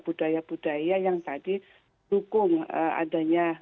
budaya budaya yang tadi dukung adanya